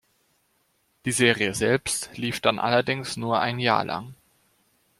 Die Serie selbst lief dann allerdings nur ein Jahr lang.